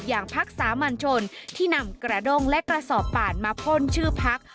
อย่างพักสามัญชนที่นำกระด้งและกระสอบป่านมาพ่นชื่อพัก